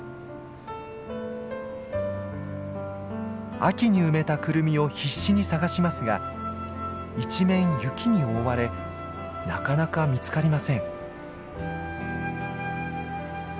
秋に埋めたクルミを必死に探しますが一面雪に覆われなかなか見つかりません。